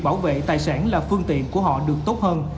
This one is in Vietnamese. bảo vệ tài sản là phương tiện của họ được tốt hơn